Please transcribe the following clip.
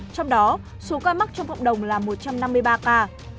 trong đó số ca mắc trong cộng đồng là một trăm năm mươi ba ca